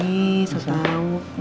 ih saya tau